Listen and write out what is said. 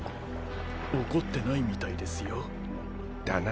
怒ってないみたいですよ。だな。